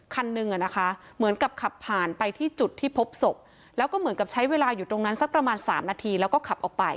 คันหนึ่งอ่ะนะคะเหมือนกับขับผ่านไปที่จุดที่พบศพแล้วก็เหมือนกับใช้เวลาอยู่ตรงนั้นสักประมาณ๓นาทีแล้วก็ขับออกไป